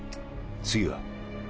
次は？